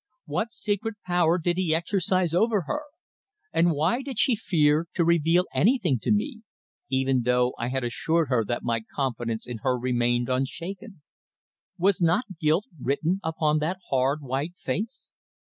What secret power did he exercise over her? And why did she fear to reveal anything to me even though I had assured her that my confidence in her remained unshaken. Was not guilt written upon that hard, white face?